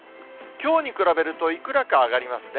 きょうに比べるといくらか上がりますね。